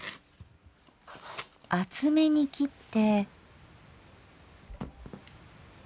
厚めに切って。